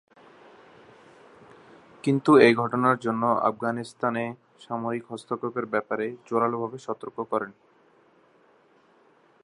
কিন্তু এই ঘটনার জন্য আফগানিস্তানে সামরিক হস্তক্ষেপের ব্যাপারে জোরালোভাবে সতর্ক করেন।